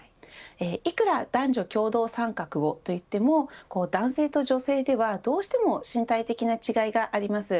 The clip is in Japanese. いくら男女共同参画と言っても男性と女性では、どうしても身体的な違いがあります。